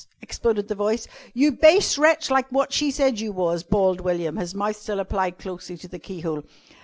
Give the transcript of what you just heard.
exploded the voice. "You base wretch, like wot she said you was," bawled William, his mouth still applied closely to the keyhole.